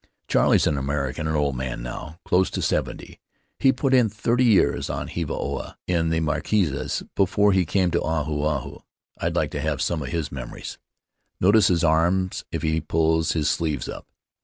Charley's an American — an old man now, close to seventy. He put in thirty years on Hiva Oa, in the Marquesas, before he came to Ahu Ahu; I'd like to have some of The Land of Ahu Ahu his memories. Notice his arms if he pulls his sleeyes up.